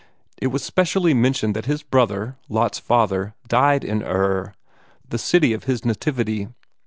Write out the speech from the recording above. It was specially mentioned that his brother, Lot's father, died in Ur, the city of his nativity.